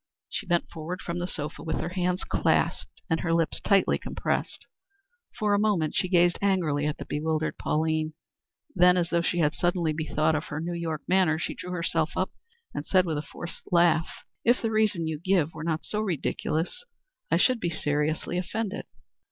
She bent forward from the sofa with her hands clasped and her lips tightly compressed. For a moment she gazed angrily at the bewildered Pauline, then, as though she had suddenly bethought her of her New York manner, she drew herself up and said with a forced laugh "If the reason you give were not so ridiculous, I should be seriously offended."